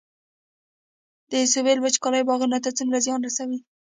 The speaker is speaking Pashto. د سویل وچکالي باغونو ته څومره زیان رسوي؟